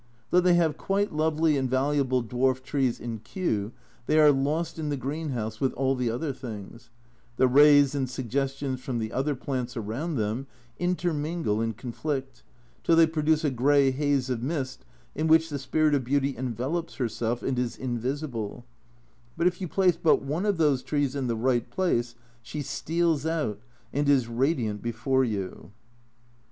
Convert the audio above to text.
Though they have quite lovely and valuable dwarf trees in Kew, they are lost in the greenhouse with all the other things ; the rays and suggestions from the other plants around them intermingle and conflict, till they produce a grey haze of mist in which the spirit of beauty envelops herself and is invisible ; but if you place but one of those trees in the right place, she steals out and is radiant before you.